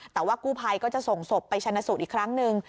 แต่ว่ากู้ภัยก็จะส่งศพไปชนะสูตรอีกครั้งหนึ่ง